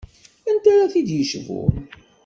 Anta ara t-id-yecbun?